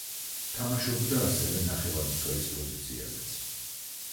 თამაშობდა ასევე, ნახევარმცველის პოზიციაზეც.